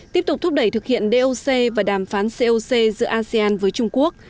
tiếp tục thúc đẩy thực hiện doc và đàm phán coc giữa asean với trung quốc